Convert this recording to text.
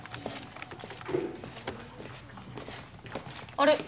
あれ？